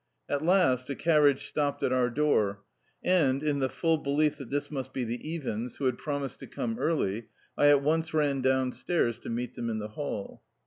At last a carriage stopped at our door, and, in the full belief that this must be the Iwins, who had promised to come early, I at once ran downstairs to meet them in the hall.